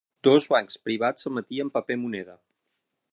Dos bancs privats emetien paper moneda.